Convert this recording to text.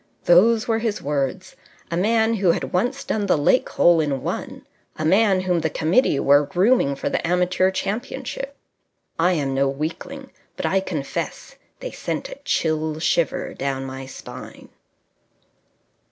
Those were his words. A man who had once done the lake hole in one. A man whom the committee were grooming for the amateur championship. I am no weakling, but I confess they sent a chill shiver down my spine.